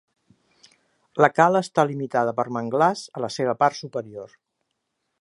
La cala està limitada per manglars a la seva part superior.